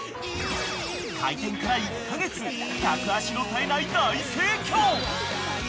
［開店から１カ月客足の絶えない大盛況］